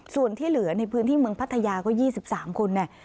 ส่วนที่เหลือในพื้นที่เมืองพัทยาก็๒๓คนเนี่ย